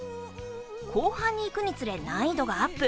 後半に行くにつれ難易度がアップ。